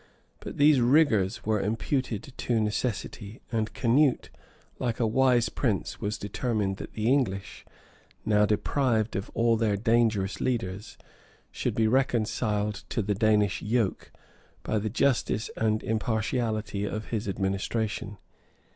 [*] But these rigors were imputed to necessity, and Canute, like a wise prince, was determined that the English, now deprived of all their dangerous leaders, should be reconciled to the Danish yoke, by the justice and impartiality of his administration.